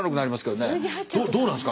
どうなんですか？